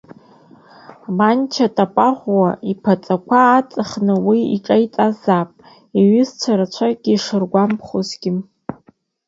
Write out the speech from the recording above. Манча Тапагәуа иԥаҵақәа ааҵхны уи иҿеиҵазаап, иҩызцәа рацәак ишыргәамԥхазгьы.